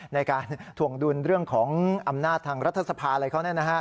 ในการถวงดุลเรื่องของอำนาจทางรัฐสภาอะไรเขา